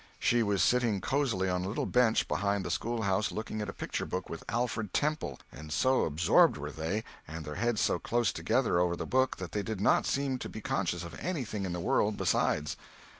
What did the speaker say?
She was sitting cosily on a little bench behind the schoolhouse looking at a picture book with Alfred Temple—and so absorbed were they, and their heads so close together over the book, that they did not seem to be conscious of anything in the world besides.